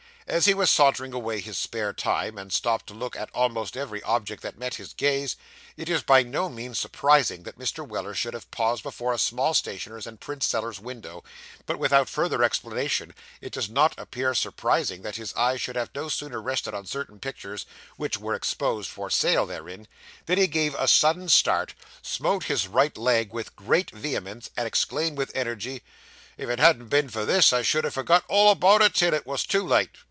As he was sauntering away his spare time, and stopped to look at almost every object that met his gaze, it is by no means surprising that Mr. Weller should have paused before a small stationer's and print seller's window; but without further explanation it does appear surprising that his eyes should have no sooner rested on certain pictures which were exposed for sale therein, than he gave a sudden start, smote his right leg with great vehemence, and exclaimed, with energy, 'if it hadn't been for this, I should ha' forgot all about it, till it was too late!